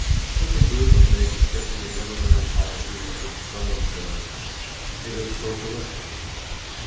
Take a group of men discussing a governmental policy of which some one says: "It is socialistic."